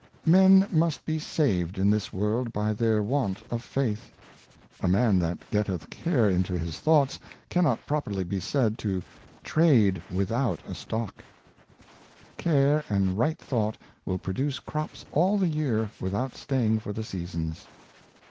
MEN must be saved in this World by their Want of Of Cau tion and Faith. Suspiinon. A Man that getteth Care into his Thoughts, cannot properly be said to trade without a Stock. Care and right Thought will produce Crops all the Year with out staying for the Seasons.